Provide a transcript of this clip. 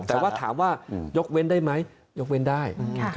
แต่ว่าถามว่ายกเว้นได้ไหมยกเว้นได้